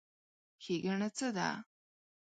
ښېګڼه څه ده؟